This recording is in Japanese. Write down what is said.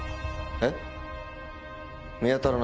えっ！